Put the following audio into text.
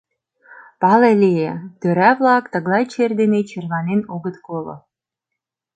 Пале лие: тӧра-влак тыглай чер дене черланен огыт коло.